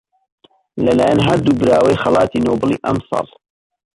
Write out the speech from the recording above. لەلایەن هەردوو براوەی خەڵاتی نۆبڵی ئەمساڵ